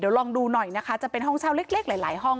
ลองดูหน่อยนะคะจะเป็นห้องเช่าเล็กหลายห้อง